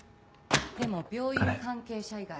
でも病院関係者以外。